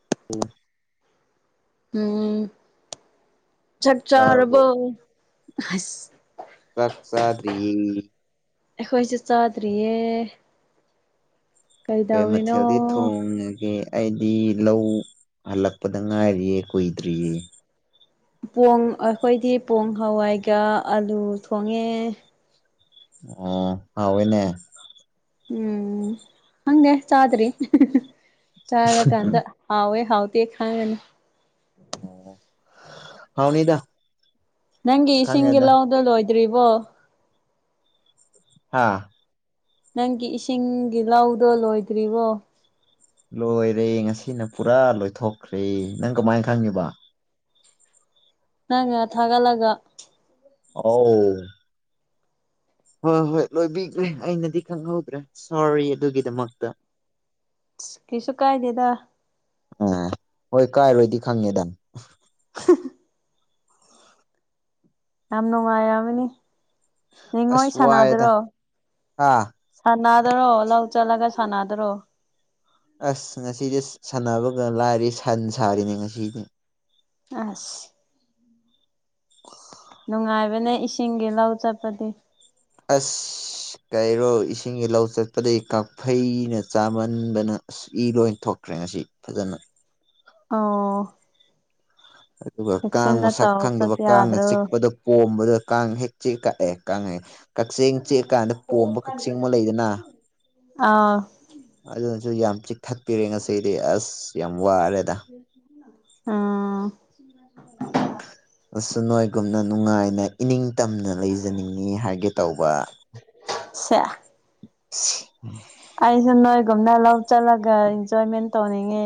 [unintelligible] ꯎꯝ ꯆꯥꯛ ꯆꯥꯔꯕꯣ ꯑꯁ ꯆꯥꯛ ꯆꯥꯗ꯭ꯔꯤꯌꯦ ꯑꯩꯈꯣꯏꯁꯨ ꯆꯥꯗ꯭ꯔꯤꯌꯦ ꯀꯩ ꯀꯩꯗꯧꯔꯤꯅꯣ ꯃꯊꯦꯜꯗꯤ ꯊꯣꯡꯉꯒꯦ ꯑꯩꯗꯤ ꯂꯧ ꯍꯜꯂꯛꯄꯗ ꯉꯥꯏꯔꯤꯌꯦ ꯀꯨꯏꯗ꯭ꯔꯤꯌꯦ ꯄꯣꯡ ꯑꯩꯈꯣꯏꯗꯤ ꯄꯣꯡ ꯍꯋꯥꯏꯒ ꯑꯂꯨ ꯊꯣꯡꯉꯦ ꯑꯣ ꯍꯥꯎꯋꯦꯅꯦ ꯎꯝ ꯈꯪꯗꯦ ꯆꯥꯗ꯭ꯔꯤ ꯆꯥꯔꯀꯥꯟꯗ ꯍꯥꯎꯋꯦ ꯍꯥꯎꯇꯦ ꯈꯪꯒꯅꯤ ꯑꯣ ꯍꯥꯎꯅꯤꯗ ꯅꯪꯒꯤ ꯏꯁꯤꯡꯒꯤ ꯈꯪꯉꯦꯗ ꯂꯧꯗꯣ ꯂꯣꯏꯗ꯭ꯔꯤꯕꯣ ꯍꯥꯥ ꯅꯪꯒꯤ ꯏꯁꯤꯡꯒꯤ ꯂꯧꯗꯣ ꯂꯣꯏꯗ꯭ꯔꯤꯕꯣ ꯂꯣꯏꯔꯦ ꯉꯁꯤꯅ ꯄꯨꯔꯥ ꯂꯣꯏꯊꯣꯛꯈ꯭ꯔꯦ ꯅꯪ ꯀꯃꯥꯏ ꯈꯪꯉꯤꯕ ꯅꯪꯅ ꯊꯥꯒꯠꯂꯥꯒ ꯑꯧ ꯍꯣꯏ ꯍꯣꯏ ꯂꯣꯏꯕꯤꯒ꯭ꯔꯦ ꯑꯩꯅꯗꯤ ꯈꯪꯍꯧꯗ꯭ꯔꯦ ꯁꯣꯔꯤ ꯑꯗꯨꯒꯤꯗꯃꯛꯇ ꯑꯁ ꯀꯩꯁꯨ ꯀꯥꯏꯗꯦꯗ ꯑꯥ ꯍꯣꯏ ꯀꯥꯏꯔꯣꯏꯗꯤ ꯈꯪꯉꯦꯗ ꯌꯥꯝ ꯅꯨꯡꯉꯥꯏꯔꯕꯅꯤ ꯅꯤꯡꯉꯣꯏ ꯑꯁ ꯋꯥꯏꯗ ꯁꯥꯟꯅꯗ꯭ꯔꯣ ꯍꯥ ꯁꯥꯟꯅꯗꯔꯣ ꯂꯧ ꯆꯠꯂꯒ ꯁꯥꯟꯅꯗꯔꯣ ꯑꯁ ꯉꯁꯤꯗꯤ ꯁꯥꯟꯅꯕꯒ ꯂꯥꯏꯔꯤ ꯁꯟ ꯁꯥꯔꯤꯅꯦ ꯉꯁꯤꯗꯤ ꯑꯁ ꯅꯨꯡꯉꯥꯏꯕꯅꯦ ꯏꯁꯤꯡꯒꯤ ꯂꯧ ꯆꯠꯄꯗꯤ ꯑꯁ ꯀꯩꯔꯣ ꯏꯁꯤꯡꯒꯤ ꯂꯧ ꯆꯠꯄꯗꯤ ꯀꯥꯛꯐꯩꯅ ꯆꯥꯃꯟꯗꯅ ꯑꯁ ꯏ ꯂꯣꯏꯟ ꯊꯣꯛꯈ꯭ꯔꯦ ꯉꯁꯤ ꯐꯖꯅ ꯑꯣ ꯑꯗꯨꯒ ꯀꯥꯡ ꯆꯦꯛꯁꯤꯟꯅ ꯃꯁꯛ ꯇꯧ ꯈꯪꯗꯕ ꯆꯠꯄ ꯀꯥꯡꯅ ꯌꯥꯗ꯭ꯔꯣ ꯆꯤꯛꯄꯗ ꯄꯣꯝꯕꯗ ꯀꯥꯡ ꯍꯦꯛ ꯆꯤꯛ ꯀꯥ ꯑꯦ ꯀꯥꯡ ꯍꯦ ꯀꯛꯆꯦꯡ ꯆꯤꯛꯑꯀꯥꯟꯗ ꯄꯣꯝꯕ ꯀꯛꯆꯦꯡ ꯑꯃ ꯂꯩꯗꯅ ꯑꯥꯎ ꯑꯗꯨꯅꯖꯨ ꯌꯥꯝ ꯆꯤꯛꯊꯠꯄꯤꯔꯦ ꯉꯁꯤꯗꯤ ꯑꯁ ꯌꯥꯝ ꯋꯥꯔꯦꯗ [inaudible] ꯎꯝ ꯑꯁ ꯅꯣꯏꯒꯨꯝꯅ ꯅꯨꯡꯉꯥꯏꯅ ꯏꯅꯤꯡ ꯇꯝꯅ ꯂꯩꯖꯅꯤꯡꯉꯤ ꯍꯥꯏꯒꯦ ꯇꯧꯕ [unintelligible] [unintelligible] [inaudible] ꯑꯩꯖꯨ ꯅꯣꯏꯒꯨꯝꯅ ꯂꯧ ꯆꯠꯂꯒ ꯏꯟꯖꯣꯏꯃꯦꯟ ꯇꯧꯅꯤꯡꯉꯦ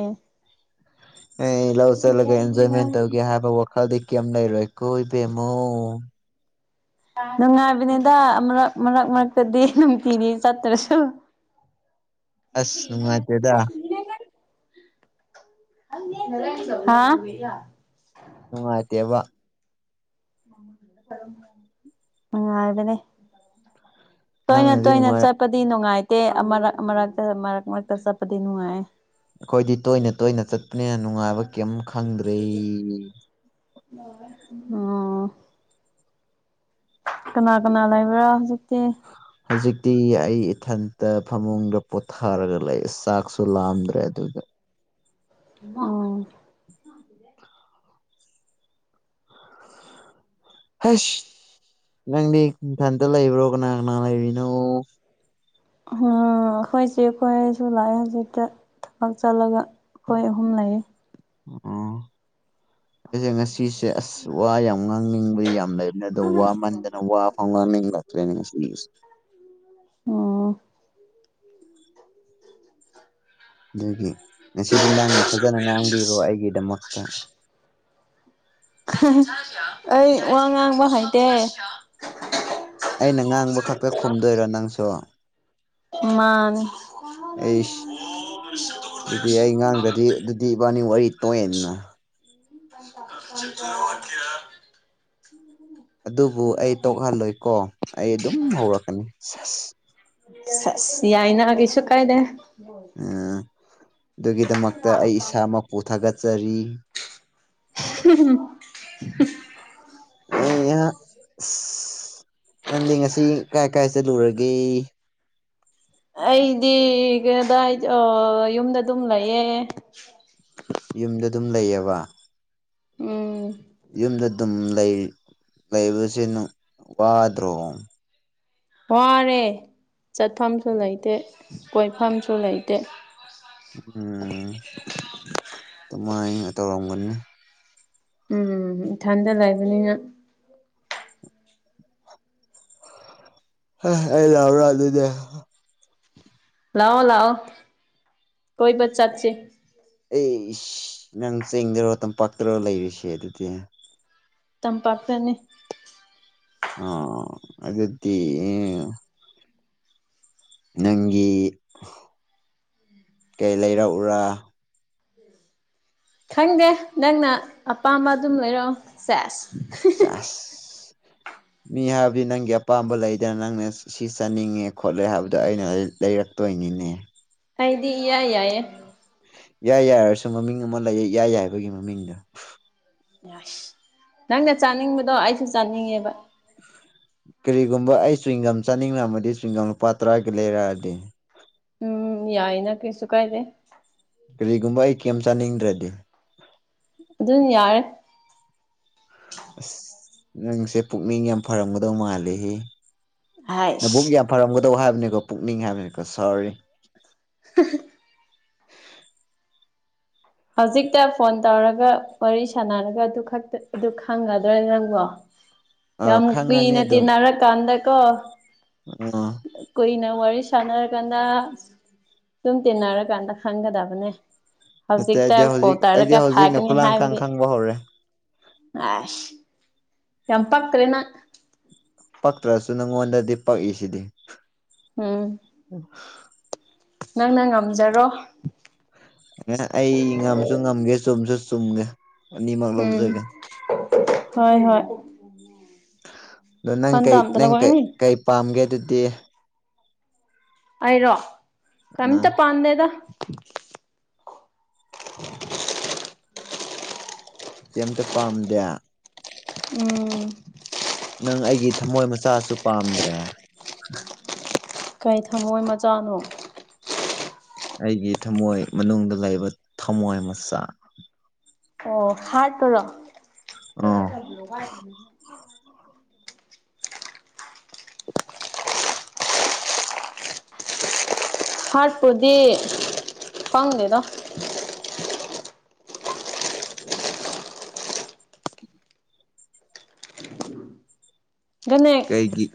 ꯑꯦ ꯂꯧ ꯆꯠꯂꯒ ꯑꯦꯟꯖꯣꯏꯃꯦꯟ ꯇꯧꯒꯦ ꯍꯥꯏꯕ ꯋꯥꯈꯜꯗꯤ ꯀꯩꯝ ꯂꯩꯔꯣꯏꯀꯣ ꯏꯕꯦꯝꯃꯧ ꯅꯨꯡꯉꯥꯏꯕꯅꯤꯗ ꯑꯃꯔꯛ ꯃꯔꯛ ꯃꯔꯛꯇꯗꯤ ꯅꯨꯡꯇꯤꯒꯤ ꯆꯠꯇ꯭ꯔꯁꯨ ꯑꯁ ꯅꯨꯡꯉꯥꯏꯇꯦꯗꯥ [unintelligible] ꯍꯥ ꯅꯨꯡꯉꯥꯏꯇꯦꯕ ꯅꯨꯡꯉꯥꯏꯕꯅꯦ ꯇꯣꯏꯅ ꯅꯪꯅꯗꯤ ꯇꯣꯏꯅ ꯅꯨꯡꯉꯥꯏ ꯆꯠꯄꯗꯤ ꯅꯨꯡꯉꯥꯏꯇꯦ ꯑꯃꯔꯛ ꯑꯃꯔꯛꯇ ꯃꯔꯛ ꯃꯔꯛꯇ ꯆꯠꯄꯗꯤ ꯅꯨꯡꯉꯥꯏꯌꯦ ꯑꯩꯈꯣꯏꯗꯤ ꯇꯣꯏꯅ ꯇꯣꯏꯅ ꯆꯠꯄꯅꯤꯅ ꯅꯨꯡꯉꯥꯏꯕ ꯀꯦꯝ ꯈꯪꯗ꯭ꯔꯦ ꯑꯥ ꯀꯅꯥ ꯀꯅꯥ ꯂꯩꯕ꯭ꯔꯥ ꯍꯧꯖꯤꯛꯇꯤ ꯍꯧꯖꯤꯛꯇꯤ ꯑꯩ ꯏꯊꯟꯇ ꯐꯃꯨꯡꯗ ꯄꯣꯊꯥꯔꯒ ꯂꯩ ꯆꯥꯛ ꯂꯥꯝꯗ꯭ꯔꯦ ꯑꯗꯨꯒ [unintelligible] ꯍꯩꯁ ꯅꯪꯗꯤ ꯏꯊꯟꯇ ꯂꯩꯕ꯭ꯔꯣ ꯀꯅꯥ ꯀꯅꯥ ꯂꯩꯔꯤꯅꯣ ꯎꯝꯍꯨꯝ ꯑꯩꯈꯣꯏ ꯆꯦ ꯈꯣꯏꯁꯨ ꯂꯥꯛꯑꯦ ꯍꯧꯖꯤꯛꯇ ꯊꯕꯛ ꯆꯠꯂꯒ ꯑꯩꯈꯣꯏ ꯑꯍꯨꯝ ꯂꯩꯌꯦ ꯎꯝ ꯑꯩꯖꯦ ꯉꯥ ꯁꯤꯁꯦ ꯑꯁ ꯋꯥ ꯌꯥꯝ ꯉꯥꯡꯅꯤꯡꯕ ꯌꯥꯝ ꯂꯩꯕꯅꯤ ꯑꯗꯣ ꯋꯥꯃꯟꯗꯅ ꯋꯥ ꯑꯧ ꯉꯥꯡꯅꯤꯡꯂꯛꯇ꯭ꯔꯦ ꯉꯁꯤ ꯅꯨꯃꯤꯠꯁꯦ ꯎꯝ ꯑꯗꯨꯒꯤ ꯉꯁꯤꯗꯤ ꯅꯪꯅ ꯐꯖꯅ ꯉꯥꯡꯕꯤꯔꯣ ꯑꯩꯒꯤꯗꯃꯛꯇ ꯍꯥ ꯍꯥ ꯑꯩ ꯋꯥ ꯉꯥꯡꯕ ꯍꯩꯇꯦ ꯑꯩꯅ ꯉꯥꯡꯕ ꯈꯛꯇ ꯈꯨꯝꯗꯣꯏꯔꯣ ꯅꯪꯁꯨ ꯃꯥꯥꯅꯦ [inaudible] ꯑꯩꯁ ꯑꯗꯨꯗꯤ ꯑꯩ ꯉꯥꯡꯗ꯭ꯔꯗꯤ ꯑꯗꯨꯗꯤ ꯏꯕꯥꯅꯤ ꯋꯥꯔꯤ ꯇꯣꯛꯑꯦꯗꯅ [inaudible] ꯑꯗꯨꯕꯨ ꯑꯩ ꯇꯣꯛꯍꯜꯂꯣꯏꯀꯣ ꯑꯩ ꯑꯗꯨꯝ ꯍꯧꯔꯛꯀꯅꯤ ꯁꯦꯁ ꯁꯦꯁ ꯌꯥꯏꯅ ꯀꯩꯁꯨ ꯀꯥꯏꯗꯦ ꯎꯝ ꯑꯗꯨꯒꯤꯗꯃꯛꯇ ꯑꯩ ꯏꯁꯥꯃꯛꯄꯨ ꯊꯥꯒꯠꯆꯔꯤ ꯍꯝ ꯍꯝ ꯍꯝ [unintelligible] ꯑꯩ ꯍꯥ ꯑꯁ ꯅꯪꯗꯤ ꯉꯁꯤ ꯀꯥꯏ ꯀꯥꯏ ꯆꯠꯂꯨꯔꯒꯦ ꯑꯩꯗꯤ ꯀꯗꯥꯏ ꯗ ꯑꯣ ꯌꯨꯝꯗ ꯑꯗꯨꯝ ꯂꯩꯌꯦ ꯌꯨꯝꯗ ꯑꯗꯨꯝ ꯂꯩꯌꯦꯕ ꯎꯝ ꯌꯨꯝꯗ ꯑꯗꯨꯝ ꯂꯩꯕ ꯂꯩꯕꯁꯦ ꯋꯥꯗ꯭ꯔꯣ ꯋꯥꯔꯦ ꯆꯠꯐꯝꯁꯨ ꯂꯩꯇꯦ ꯀꯣꯏꯐꯝꯁꯨ ꯂꯩꯇꯦ ꯎꯝ ꯑꯗꯨꯃꯥꯏ ꯇꯧꯔꯝꯒꯅꯤ ꯎꯝ ꯏꯊꯟꯗ ꯂꯩꯕꯅꯤꯅ ꯍꯥ ꯑꯩ ꯂꯥꯛꯎꯔꯥ ꯑꯗꯨꯗꯤ ꯂꯥꯛꯑꯣ ꯂꯥꯛꯑꯣ ꯀꯣꯏꯕ ꯆꯠꯁꯤ ꯑꯩꯁ ꯅꯪ ꯆꯤꯡꯗꯔꯣ ꯇꯝꯄꯥꯛꯇꯔꯣ ꯂꯩꯔꯤꯁꯦ ꯑꯗꯨꯗꯤ ꯇꯝꯄꯥꯛꯇꯅꯦ ꯑꯥ ꯑꯗꯨꯗꯤ ꯅꯪꯒꯤ ꯀꯩ ꯂꯩꯔꯛꯎꯔꯥ ꯈꯪꯗꯦ ꯅꯪꯅ ꯑꯄꯥꯝꯕ ꯑꯗꯨꯝ ꯂꯩꯔꯛꯑꯣ ꯁꯦꯁ ꯁꯦꯁ ꯃꯤ ꯍꯥꯏꯕꯗꯤ ꯅꯪꯒꯤ ꯑꯄꯥꯝꯕ ꯂꯩꯗꯅ ꯅꯪꯅ ꯁꯤ ꯆꯥꯅꯤꯡꯉꯦ ꯈꯣꯠꯂꯦ ꯍꯥꯏꯕꯗꯣ ꯑꯩꯅ ꯂꯩꯔꯛꯇꯣꯏꯅꯤꯅꯦ ꯑꯩꯗꯤ ꯏꯌꯥ ꯌꯥꯏꯌꯦ ꯏꯌꯥ ꯌꯥꯏꯔꯁꯨ ꯃꯃꯤꯡ ꯑꯃ ꯂꯩꯌꯦ ꯏꯌꯥ ꯌꯥꯏꯕꯒꯤ ꯃꯃꯤꯡꯗꯣ ꯑꯁ ꯅꯪꯅ ꯆꯥꯅꯤꯡꯕꯗꯣ ꯑꯩꯁꯨ ꯆꯥꯅꯤꯡꯉꯦꯕ ꯀꯔꯤꯒꯨꯝꯕ ꯑꯩ ꯆ꯭ꯋꯤꯡꯒꯝ ꯆꯥꯅꯤꯡꯔꯝꯂꯗꯤ ꯆꯤꯡꯒꯝ ꯂꯨꯄꯥ ꯇꯔꯥꯒꯤ ꯂꯩꯔꯛꯑꯗꯤ ꯎꯝ ꯌꯥꯏꯅ ꯀꯩꯁꯨ ꯀꯥꯏꯗꯦ ꯀꯔꯤꯒꯨꯝꯕ ꯑꯩ ꯀꯔꯤꯝ ꯆꯥꯅꯤꯡꯗ꯭ꯔꯗꯤ ꯑꯗꯨꯝ ꯌꯥꯔꯦ ꯑꯁ ꯅꯪꯁꯦ ꯄꯨꯛꯅꯤꯡ ꯌꯥꯝ ꯐꯔꯝꯒꯗꯧ ꯃꯥꯜꯂꯦꯍꯦ ꯅꯕꯨꯛ ꯍꯥꯏꯁ ꯌꯥꯝ ꯐꯔꯝꯒꯗꯧ ꯍꯥꯏꯕꯅꯤꯀꯣ ꯄꯨꯛꯅꯤꯡ ꯍꯥꯏꯕꯅꯤꯀꯣ ꯁꯣꯔꯤ ꯍꯥ ꯍꯥ ꯍꯧꯖꯤꯛꯇ ꯐꯣꯟ ꯇꯧꯔꯒ ꯋꯥꯔꯤ ꯁꯥꯟꯅꯔꯒ ꯑꯗꯨ ꯈꯛꯇ ꯑꯗꯨ ꯈꯪꯒꯗ꯭ꯔ ꯅꯪꯕꯣ ꯑ ꯌꯥꯝ ꯈꯪꯉꯅꯤ ꯀꯨꯏꯅ ꯇꯤꯟꯅꯔ ꯀꯥꯟꯗꯀꯣ ꯎꯝ ꯀꯨꯏꯅ ꯋꯥꯔꯤ ꯁꯥꯟꯅꯔꯀꯥꯟꯗ ꯗꯨꯝ ꯇꯤꯟꯅꯔꯀꯥꯟꯗ ꯈꯪꯒꯗꯕꯅꯦ ꯅꯠꯇꯦ ꯍꯧꯖꯤꯛꯇ ꯑꯩꯗꯤ ꯀꯣꯜ ꯍꯧꯖꯤꯛ ꯑꯩꯗꯤ ꯇꯧꯔꯒ ꯍꯧꯖꯤꯛꯅ ꯐꯥꯒꯅꯤ ꯍꯥꯏꯕꯗꯤ ꯈꯨꯂꯥꯡꯈꯥꯡ ꯈꯪꯕ ꯍꯧꯔꯦ ꯑꯁ ꯌꯥꯝ ꯄꯛꯇ꯭ꯔꯦ ꯅꯪ ꯄꯛꯇ꯭ꯔꯁꯨ ꯅꯪꯉꯣꯟꯗꯗꯤ ꯄꯛꯏꯁꯤꯗꯤ ꯎꯝ ꯍꯥ ꯅꯪꯅ ꯉꯝꯖꯔꯣ ꯑꯦ ꯑꯩ ꯉꯝꯁꯨ ꯉꯝꯒꯦ ꯆꯨꯝꯁꯨ ꯆꯨꯝꯒꯦ ꯑꯅꯤꯃꯛ ꯎꯝ ꯂꯧꯖꯒꯦ ꯍꯣꯏ ꯍꯣꯏ ꯑꯗꯣ ꯅꯪ ꯄꯟ ꯀꯩ ꯇꯝꯇ ꯅꯪ ꯀꯩꯩ ꯂꯧꯒꯅꯤ ꯀꯩ ꯄꯥꯝꯒꯦ ꯑꯗꯨꯗꯤ ꯑꯩꯔꯣ ꯑ ꯀꯔꯤꯃꯇ ꯄꯥꯝꯗꯦꯗ [inaudible] ꯀꯔꯤꯃꯇ ꯄꯥꯝꯗꯦ ꯎꯝ ꯅꯪ ꯑꯩꯒꯤ ꯊꯝꯃꯣꯏ ꯃꯆꯥꯁꯨ ꯄꯥꯝꯗ꯭ꯔꯦ ꯀꯩ ꯊꯝꯃꯣꯏ ꯃꯆꯥꯅꯣ ꯑꯩꯒꯤ ꯊꯝꯃꯣꯏ ꯃꯅꯨꯡꯗ ꯂꯩꯕ ꯊꯝꯃꯣꯏ ꯃꯆꯥ ꯑꯣ ꯍꯥꯔꯠꯇꯨꯔꯣ ꯑꯥ ꯍꯥꯔꯠꯄꯨꯗꯤ ꯈꯪꯗꯦꯗ [inaudible] ꯒꯅꯦꯛ ꯀꯩꯒꯤ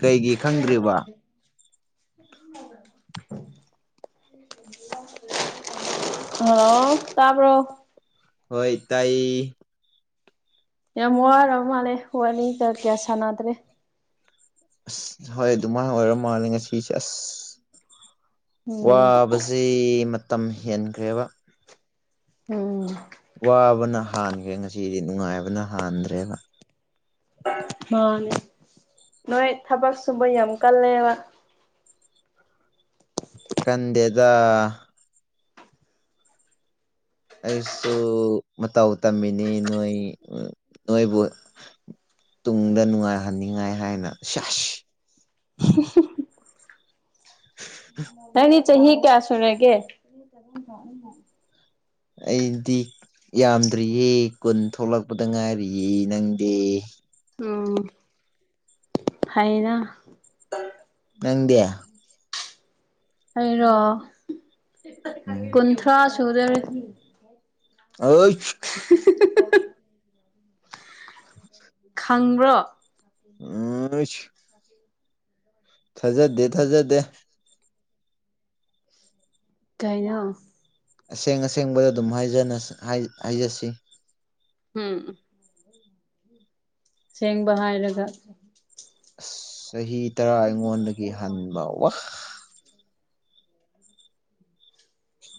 ꯀꯩꯒꯤ ꯈꯪꯗ꯭ꯔꯤꯕ [inaudible] ꯍꯦꯜꯂꯣ ꯇꯥꯕ꯭ꯔꯣ ꯍꯣꯏ ꯇꯥꯏꯌꯦ ꯌꯥꯝ ꯋꯥꯔꯕ ꯃꯥꯜꯂꯦ ꯋꯥꯔꯤ ꯀꯥ ꯀꯌꯥ ꯁꯥꯟꯅꯗ꯭ꯔꯦ ꯑꯁ ꯍꯣꯏ ꯑꯗꯨꯃꯥꯏꯅ ꯑꯣꯏꯔ ꯃꯥꯜꯂꯦ ꯉꯁꯤꯁꯦ ꯑꯁ ꯎꯝ ꯋꯥꯕꯁꯦ ꯃꯇꯝ ꯍꯦꯟꯈ꯭ꯔꯦꯕ ꯎꯝ ꯋꯥꯕꯅ ꯍꯥꯟꯈ꯭ꯔꯦ ꯉꯁꯤꯗꯤ ꯅꯨꯡꯉꯥꯏꯕꯅ ꯍꯥꯟꯗ꯭ꯔꯦꯕ ꯃꯥꯅꯦ ꯅꯣꯏ ꯊꯕꯛ ꯁꯨꯕ ꯌꯥꯝ ꯀꯜꯂꯦꯕ ꯀꯟꯗꯦꯗ ꯑꯩꯁꯨ ꯃꯇꯧ ꯇꯝꯃꯤꯅꯤ ꯅꯣꯏ ꯅꯣꯏꯕꯨ ꯇꯨꯡꯗ ꯅꯨꯡꯉꯥꯏꯍꯟꯅꯤꯡꯉꯥꯏ ꯍꯥꯏꯅ ꯁꯦꯁ [inaudible] ꯅꯪꯗꯤ ꯆꯍꯤ ꯀꯌꯥ ꯁꯨꯔꯒꯦ ꯆꯍꯤ ꯇꯔꯨꯅ ꯑꯩꯅ [inaudible] ꯑꯩꯗꯤ ꯌꯥꯝꯗ꯭ꯔꯤꯌꯦ ꯀꯨꯟ ꯊꯣꯛꯂꯛꯄꯗ ꯉꯥꯏꯔꯤꯌꯦ ꯅꯪꯗꯤ ꯎꯝ ꯍꯥꯏꯅ ꯅꯪꯗꯤ ꯑꯩꯔꯣ ꯎꯝ ꯀꯨꯟꯊ꯭ꯔꯥ ꯁꯨꯗꯣꯔꯦ ꯑꯥꯏꯁ [unintelligible] [inaudible] ꯈꯪꯕ꯭ꯔꯣ ꯑꯝꯍꯩꯁ ꯊꯖꯗꯦ ꯊꯖꯗꯦ ꯗꯩꯅꯣ ꯑꯁꯦꯡ ꯑꯁꯦꯡꯕꯗ ꯑꯗꯨꯝ ꯍꯥꯏꯖꯅꯁꯤ ꯍꯥꯏ ꯍꯥꯏꯖꯁꯤ ꯎꯝ ꯑꯁꯦꯡꯕ ꯍꯥꯏꯔꯒ ꯑꯁ ꯆꯍꯤ ꯇꯔꯥ ꯑꯩꯉꯣꯟꯗꯒꯤ ꯍꯟꯕ ꯋꯥ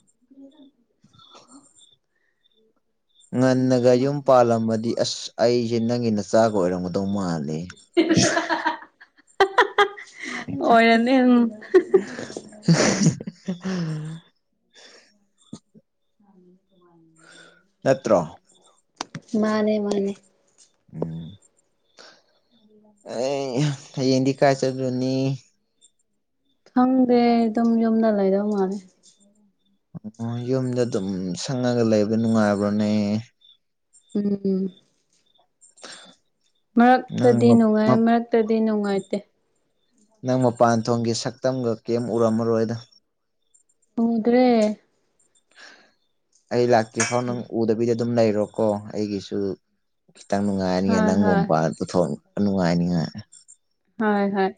[unintelligible] [inaudible] ꯉꯟꯅꯒ ꯌꯨꯝ ꯄꯥꯜꯂꯝꯃꯗꯤ ꯑꯁ ꯑꯩꯖꯦ ꯅꯪꯒꯤ ꯅꯆꯥꯒ ꯑꯣꯏꯔꯝꯒꯗꯧ ꯃꯥꯂꯦ ꯍꯥꯍꯥꯍꯥꯍꯥꯍꯥ ꯑꯣꯏꯔꯝꯅꯤ ꯎꯝ [unintelligible] [unintelligible] ꯅꯠꯇ꯭ꯔꯣ ꯃꯥꯅꯦ ꯃꯥꯅꯦ ꯎꯝ ꯑꯦ ꯍꯌꯦꯡꯗꯤ ꯀꯥꯏ ꯆꯠꯂꯨꯅꯤ ꯈꯪꯗꯦ ꯑꯗꯨꯝ ꯌꯨꯝꯗ ꯂꯩꯗꯧ ꯃꯥꯜꯂꯦ [inaudible] ꯑꯣ ꯌꯨꯝꯗ ꯑꯗꯨꯝ ꯁꯪꯉꯒ ꯂꯩꯕ ꯅꯨꯡꯉꯥꯏꯕ꯭ꯔꯣꯅꯦ ꯎꯝ ꯅꯪ ꯃꯔꯛꯇꯗꯤ ꯅꯨꯡꯉꯥꯏ ꯃꯔꯛꯇꯗꯤ ꯅꯨꯡꯉꯥꯏꯇꯦ ꯅꯪ ꯃꯄꯥꯟꯊꯣꯡꯒꯤ ꯁꯛꯇꯝꯒ ꯀꯦꯝ ꯎꯔꯝꯃꯔꯣꯏꯗ ꯎꯗ꯭ꯔꯦ ꯑꯩ ꯂꯥꯛꯇ꯭ꯔꯤ ꯐꯥꯎ ꯅꯪ ꯎꯗꯕꯤꯗ ꯑꯗꯨꯝ ꯂꯩꯔꯣꯀꯣ ꯑꯩꯒꯤꯁꯨ ꯈꯤꯇꯪ ꯅꯨꯡꯉꯥꯏꯅꯤꯉꯥꯏ ꯍꯣꯏ ꯅꯪꯕꯨ ꯍꯣꯏ ꯃꯄꯥꯟꯗ ꯄꯨꯊꯣꯛ ꯅꯨꯡꯉꯥꯏꯅꯤꯉꯥꯏ ꯍꯣꯏ ꯍꯣꯏ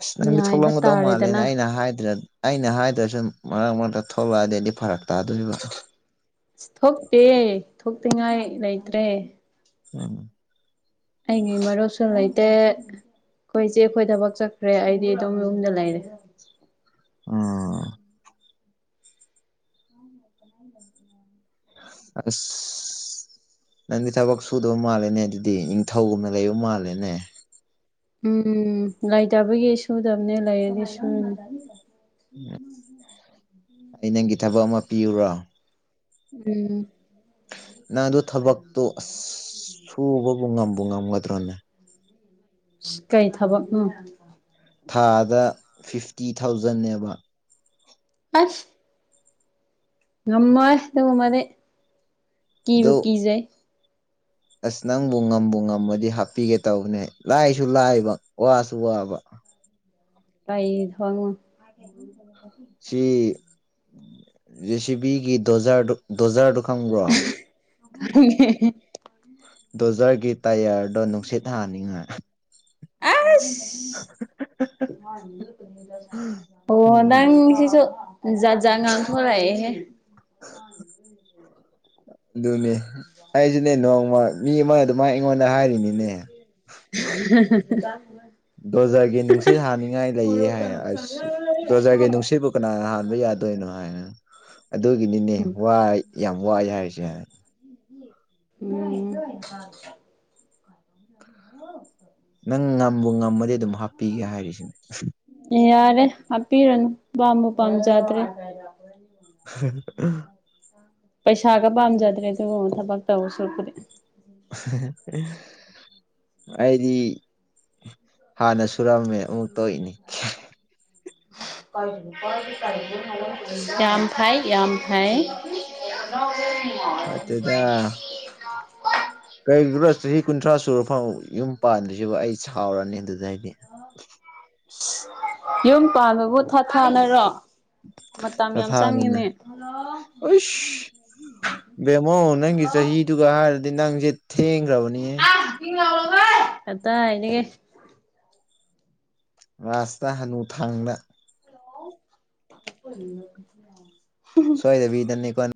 ꯑꯁ ꯅꯪꯗꯤ ꯉꯥꯏꯕ ꯊꯣꯛꯂꯝꯒꯗꯧ ꯃꯥꯜꯂꯦꯅꯦ ꯇꯥꯔꯦꯗꯅ ꯑꯩꯅ ꯍꯥꯏꯗ꯭ꯔꯦ ꯑꯩꯅ ꯍꯥꯏꯗ꯭ꯔꯁꯨꯨ ꯃꯔꯛ ꯃꯔꯛꯇ ꯊꯣꯛꯂꯛꯑꯗꯤ ꯑꯩꯗꯤ ꯐꯔꯛ ꯇꯥꯗꯣꯔꯤꯕ [unintelligible] ꯊꯣꯛꯇꯦꯌꯦ ꯊꯣꯛꯇꯉꯥꯏ ꯂꯩꯇ꯭ꯔꯦ ꯑꯝ ꯑꯩꯒꯤ ꯃꯔꯨꯞꯁꯨ ꯂꯩꯇꯦ ꯈꯣꯏꯆꯦ ꯈꯣꯏ ꯊꯕꯛ ꯆꯠꯈ꯭ꯔꯦ ꯑꯩꯗꯤ ꯑꯗꯨꯝ ꯌꯨꯝꯗ ꯂꯩꯔꯦ ꯑꯝ [inaudible] ꯑꯁ ꯅꯪꯗꯤ ꯊꯕꯛ ꯁꯨꯗꯕ ꯃꯥꯜꯂꯦꯅꯦ ꯑꯗꯨꯗꯤ ꯅꯤꯡꯊꯧꯅ ꯂꯩꯕ ꯃꯥꯜꯂꯦꯅꯦ ꯎꯝ ꯂꯩꯇꯕꯒꯤ ꯁꯨꯗꯕꯅꯦ ꯂꯩꯔꯗꯤ ꯁꯨꯔꯅꯤ ꯑꯩ ꯅꯪꯒꯤ ꯊꯕꯛ ꯑꯃ ꯄꯤꯌꯨꯔꯣ ꯎꯝ ꯅꯪ ꯑꯗꯨ ꯊꯕꯛꯇꯣ ꯑꯁ ꯁꯨꯕꯕꯨ ꯉꯝꯕꯨ ꯉꯝꯒꯗ꯭ꯔꯣꯅꯦ ꯏꯁ ꯀꯩ ꯊꯕꯛ ꯅꯣ ꯊꯥꯗ ꯐꯤꯐꯇꯤ ꯊꯥꯎꯖꯟꯅꯦꯕ ꯑꯁ ꯉꯝꯃꯣꯏ ꯗꯨꯒꯨꯝꯕꯗꯤ ꯀꯤꯕꯨ ꯑꯗꯨ ꯀꯤꯖꯩ ꯑꯁ ꯅꯪꯕꯨ ꯉꯕꯨ ꯉꯝꯃꯗꯤ ꯍꯥꯞꯄꯤꯒꯦ ꯇꯧꯕꯅꯦ ꯂꯥꯏꯁꯨ ꯂꯥꯏꯕ ꯋꯥꯁꯨ ꯋꯥꯕ ꯀꯩ ꯊꯕꯛꯅꯣ ꯑꯩꯒꯨꯝ ꯇꯧꯕ ꯃꯥꯊꯤ ꯁꯤ ꯖꯦ ꯁꯤ ꯕꯤ ꯒꯤ ꯗꯣꯖꯔꯗꯨ ꯗꯣꯖꯔꯗꯨ ꯈꯪꯕ꯭ꯔꯣ ꯈꯪꯉꯦ ꯗꯣꯖꯔꯒꯤ ꯇꯥꯌꯔꯗꯣ ꯅꯨꯡꯁꯤꯠ ꯍꯥꯟꯅꯤꯡꯉꯥꯏ ꯑꯁ [inaudible] ꯑꯣ ꯎꯝ ꯅꯪꯁꯤꯁꯨ ꯖꯥꯠ ꯖꯥꯠ ꯉꯥꯡꯊꯣꯔꯛꯑꯦꯍꯦ ꯗꯨꯅꯤ ꯑꯩꯖꯨꯅꯦ ꯅꯣꯡꯃ ꯃꯤ ꯑꯃ ꯑꯗꯨꯃꯥꯏ ꯑꯩꯉꯣꯟꯗ ꯍꯥꯏꯔꯤꯅꯤꯅꯦ [inaudible] ꯗꯣꯖꯔꯒꯤ ꯅꯨꯡꯁꯤꯠ ꯍꯥꯟꯅꯤꯡꯉꯥꯏ ꯂꯩꯌꯦ ꯍꯥꯏꯅ ꯑꯁ ꯗꯣꯖꯔꯒꯤ ꯅꯨꯡꯁꯤꯠꯕꯨ ꯀꯅꯥꯅ ꯍꯥꯟꯕ ꯌꯥꯗꯣꯏꯅꯣ ꯍꯥꯏꯅ ꯑꯗꯨꯒꯤꯅꯤꯅꯦ ꯋꯥꯏ ꯌꯥꯝ ꯋꯥꯏ ꯍꯥꯏꯔꯤꯁꯦ [unintelligible] ꯎꯝ ꯋꯥꯏ ꯋꯥꯏ ꯍꯥꯎ ꯅꯪ ꯉꯝꯕꯨ ꯉꯝꯃꯗꯤ ꯑꯗꯨꯝ ꯍꯥꯞꯄꯤꯒꯦ ꯍꯥꯏꯔꯤꯁꯤꯅꯤ ꯌꯥꯔꯦ ꯍꯥꯞꯄꯤꯔꯅꯨ ꯄꯥꯝꯕꯨ ꯄꯥꯝꯖꯥꯗ꯭ꯔꯦ ꯀꯌꯥ ꯄꯨꯔꯛ ꯃꯤ ꯌꯦꯡꯉꯨꯅꯨ [inaudible] ꯄꯩꯁꯥꯒ ꯄꯥꯝꯖꯥꯗ꯭ꯔꯦ ꯑꯗꯨꯒꯨꯝꯕ ꯊꯕꯛ ꯇꯧ ꯁꯔꯨꯛꯄꯨꯗꯤ [unintelligible] ꯑꯩꯗꯤ ꯍꯥꯟꯅ ꯁꯨꯔꯝꯃꯦ ꯑꯃꯨꯛ ꯇꯣꯛꯏꯅꯤ [inaudible] ꯀꯔꯤ ꯂꯤꯟꯊꫭꯏꯒꯤ ꯀꯔꯤꯅꫭꯃꯥ ꯍꯥꯏꯔꯝꯕꯅꯤꯅꯦ ꯌꯥꯝ ꯐꯩ ꯌꯥꯝ ꯐꯩ ꯏꯁ ꯅꯠꯇꯦꯗꯥ ꯀꯩꯒꯤꯔꯣ ꯆꯍꯤ ꯀꯨꯟꯊ꯭ꯔꯥ ꯁꯨꯔ ꯐꯥꯎ ꯌꯨꯝ ꯄꯥꯟꯗ꯭ꯔꯤꯁꯤꯕꯨ ꯑꯩ ꯁꯥꯎꯔꯅꯤ ꯑꯗꯨꯗꯩꯗꯤ ꯏꯁ ꯌꯨꯝ ꯄꯥꯟꯗꯕꯨ ꯊꯥ ꯊꯥꯅꯔꯣ ꯃꯇꯝ ꯌꯥꯝ ꯆꯪꯉꯤꯅꯦ ꯊꯥꯊꯥꯅꯤꯅ ꯍꯜꯂꫭ ꯑꯩꯁ [unintelligible] ꯕꯦꯝꯃꯣ ꯅꯪꯒꯤ ꯆꯍꯤꯗꯨꯒ ꯍꯥꯏꯔꯗꯤ ꯅꯪꯁꯦ ꯊꯦꯡꯒ꯭ꯔꯥꯕꯅꯤꯅꯦ ꯍꯠ ꯇꯤꯟꯅꯕ ꯃꯈꯩꯏ ꯀꯗꯥꯏꯗꯒꯤ ꯂꯥꯁ꯭ꯠꯇꯥ ꯍꯅꯨ ꯊꯪꯗ [unintelligible] ꯁꯣꯏꯗꯕꯤꯗꯅꯦ ꯅꯪ